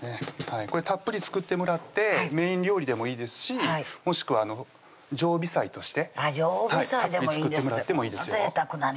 これたっぷり作ってもらってメイン料理でもいいですしもしくは常備菜として常備菜でもいいんですってぜいたくなね